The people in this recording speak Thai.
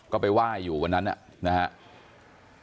ก็ไปไหว้อยู่วันนั้นนะครับ